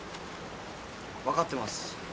分かってます。